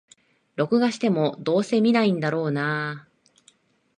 録画しても、どうせ観ないんだろうなあ